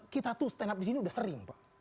kita tuh stand up disini udah sering pak